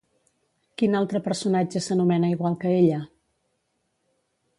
Quin altre personatge s'anomena igual que ella?